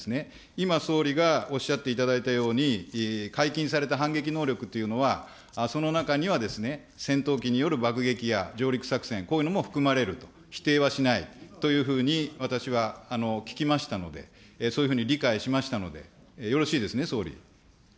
今、総理がおっしゃっていただいたように、解禁された反撃能力というのは、その中には戦闘機による爆撃や上陸作戦、こういうのも含まれると、否定はしないというふうに私は聞きましたので、そういうふうに理解しましたので、よろしいですね、総理。